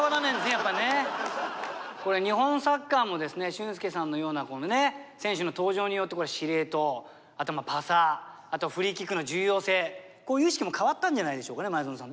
これ日本サッカーもですね俊輔さんのような選手の登場によって司令塔あとはパサーあとフリーキックの重要性意識が変わったんじゃないでしょうかね前園さん